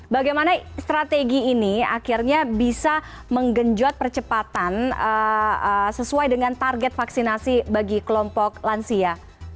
bagaimana strategi ini akhirnya bisa menggenjot percepatan sesuai dengan target vaksinasi bagi kelompok lansia